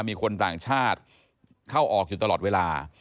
มีคนต่างชาติเข้าออกอยู่ตลอดเวลา